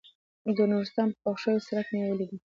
د نورستان په پوخ شوي سړک مې ولیدل.